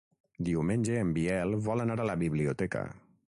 Diumenge en Biel vol anar a la biblioteca.